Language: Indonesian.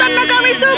tanda kami subur